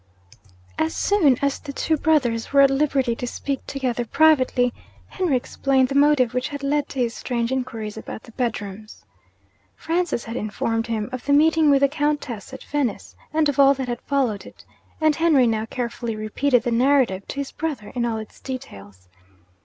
As soon as the two brothers were at liberty to speak together privately, Henry explained the motive which had led to his strange inquiries about the bedrooms. Francis had informed him of the meeting with the Countess at Venice, and of all that had followed it; and Henry now carefully repeated the narrative to his brother in all its details.